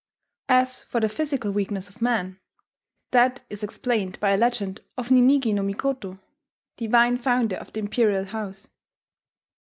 As for the physical weakness of men, that is explained by a legend of Ninigi no Mikoto, divine founder of the imperial house.